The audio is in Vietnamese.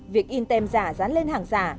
việc in tem giả dán lên hàng giả